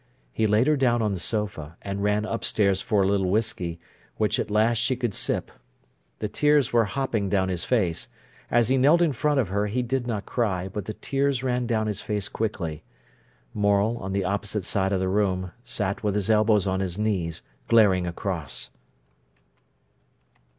He laid her down on the sofa, and ran upstairs for a little whisky, which at last she could sip. The tears were hopping down his face. As he kneeled in front of her he did not cry, but the tears ran down his face quickly. Morel, on the opposite side of the room, sat with his elbows on his knees glaring across.